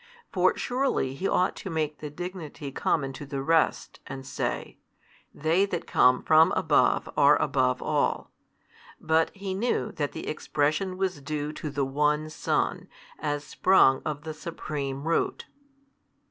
For surely he ought to make the dignity common to the rest, and say, They that come from above are above all. But he knew that the expression was due to the One Son, as sprung of the Supreme Root.